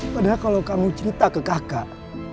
padahal kalau kamu cerita ke kakak